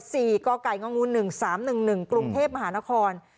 กไก่งงูหนึ่งสามหนึ่งหนึ่งกรุงเทพมหานคร